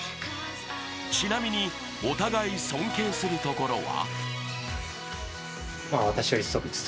ちなみに、お互い尊敬するところは？